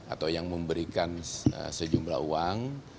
atau yang memberikan sejumlah uang